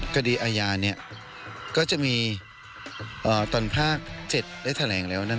คดีอาญาก็จะมีตอนภาค๗ได้แถลงแล้วนั้น